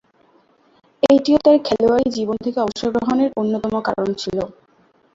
এটিও তার খেলোয়াড়ী জীবন থেকে অবসর গ্রহণের অন্যতম কারণ ছিল।